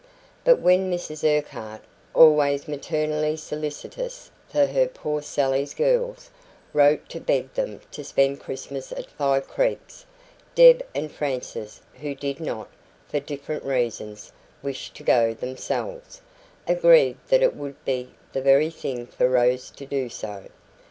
But when Mrs Urquhart, always maternally solicitous for her poor Sally's girls, wrote to beg them to spend Christmas at Five Creeks, Deb and Frances, who did not, for different reasons, wish to go themselves, agreed that it would be 'the very thing' for Rose to do so.